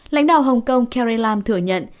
lãnh đạo hồng kông carrie lam thừa nhận